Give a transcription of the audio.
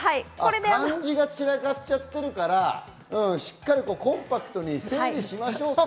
漢字が散らかっちゃってるから、コンパクトに整理しましょうと。